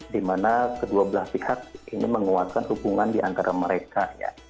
dimana kedua belah pihak ini menguatkan hubungan diantara mereka ya